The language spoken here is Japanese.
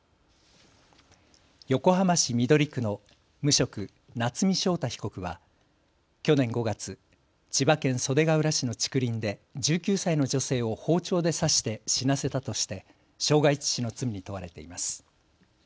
横浜市緑区の無職、夏見翔太被告は去年５月、千葉県袖ケ浦市の竹林で１９歳の女性を包丁で刺して死なせたとして傷害致死の罪に問われています。